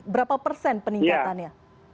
berapa persen peningkatannya